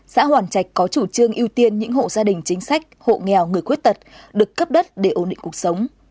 xã hoàn trạch có chủ trương ưu tiên những hộ gia đình chính sách hộ nghèo người khuyết tật được cấp đất để ổn định cuộc sống